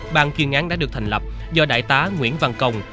bàn chuyên án đã được thành lập do đại tá nguyễn văn công